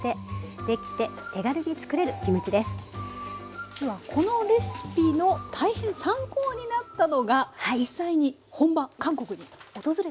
実はこのレシピの大変参考になったのが実際に本場韓国に訪れたんですね？